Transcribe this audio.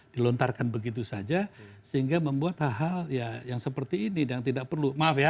dilontarkan begitu saja sehingga membuat hal hal yang seperti ini dan tidak perlu maaf ya